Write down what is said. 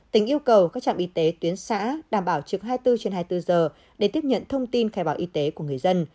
tỉnh yêu cầu các trạm y tế tuyến xã đảm bảo trực hai mươi bốn trên hai mươi bốn giờ để tiếp nhận thông tin khai báo y tế của người dân